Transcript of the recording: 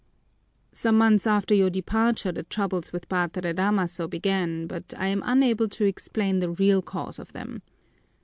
"Some months after your departure the troubles with Padre Damaso began, but I am unable to explain the real cause of them.